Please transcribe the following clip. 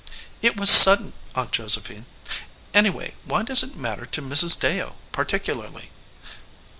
"It was sudden, Aunt Josephine. Anyway, why does it matter to Mrs. Deyo particularly?"